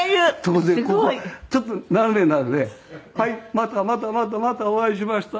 またまたまたまたお会いしました。